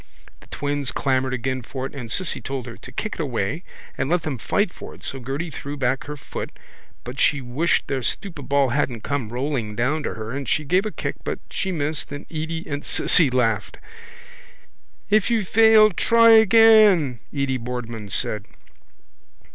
The twins clamoured again for it and Cissy told her to kick it away and let them fight for it so Gerty drew back her foot but she wished their stupid ball hadn't come rolling down to her and she gave a kick but she missed and Edy and Cissy laughed. —If you fail try again, Edy Boardman said.